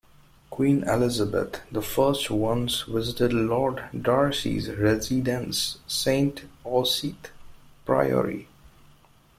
Queen Elizabeth the First once visited Lord Darcy's residence, Saint Osyth Priory.